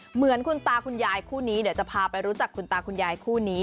เหมือนคุณตาคุณยายคู่นี้เดี๋ยวจะพาไปรู้จักคุณตาคุณยายคู่นี้